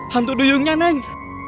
hantu duyungnya neng